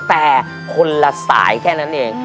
แต่คนละสายแค่นั้นเอง